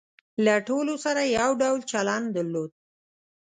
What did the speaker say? له ټولو سره یې یو ډول چلن درلود.